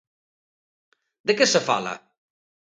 De que se fala?